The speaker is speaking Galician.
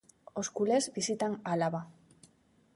Os culés visitan Álava.